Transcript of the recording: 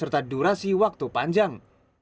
dan durasi waktu panjang